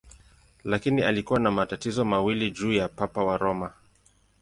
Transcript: Lakini alikuwa na matatizo mawili juu ya Papa wa Roma.